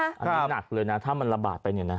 อันนี้หนักเลยนะถ้ามันระบาดไปเนี่ยนะ